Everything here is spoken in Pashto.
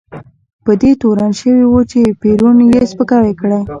په دې تورن شوی و چې پېرون ته یې سپکاوی کړی.